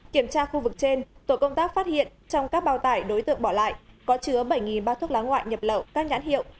kiểm tra khu vực trên tổ công tác phát hiện trong các bao tải đối tượng bỏ lại có chứa bảy bao thuốc lá ngoại nhập lậu các nhãn hiệu